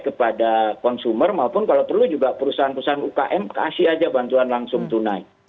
kepada konsumer maupun kalau perlu juga perusahaan perusahaan ukm kasih aja bantuan langsung tunai